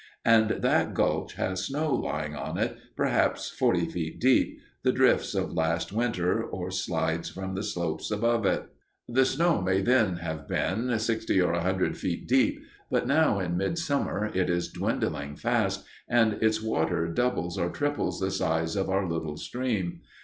And that gulch has snow lying in it, perhaps forty feet deep the drifts of last winter or slides from the slopes above it. The snow may then have been sixty or a hundred feet deep, but now, in midsummer, it is dwindling fast, and its water doubles or triples the size of our little stream.